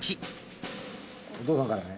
お父さんからね。